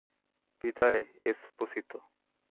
বিদায়, এসপোসিতো।